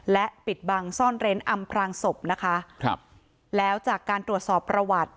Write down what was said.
และปิดบังซ่อนเร้นอำพรางศพนะคะครับแล้วจากการตรวจสอบประวัติ